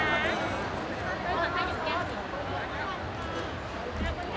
เอาเรื่องต่อไป